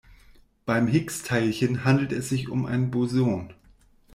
Beim Higgs-Teilchen handelt es sich um ein Boson.